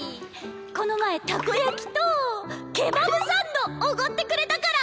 この前たこ焼きとケバブサンドおごってくれたから！